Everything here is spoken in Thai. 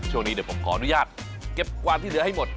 ช่วงนี้เดี๋ยวผมขออนุญาตเก็บกวาดที่เหลือให้หมด